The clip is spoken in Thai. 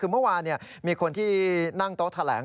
คือเมื่อวานมีคนที่นั่งโต๊ะแถลง